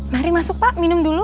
mari masuk pak minum dulu